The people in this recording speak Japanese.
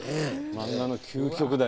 漫画の究極だよね。